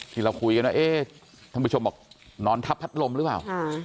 ที่เราคุยกันทุกผู้ชมบอกนอนทัพพัดลมหรือเปล่า